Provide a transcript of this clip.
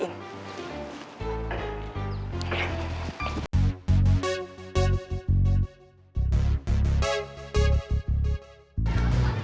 tidak ada yang bisa dicerain